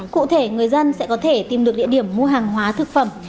cụ thể người dân sẽ có thể tìm được địa điểm mua hàng hóa thực phẩm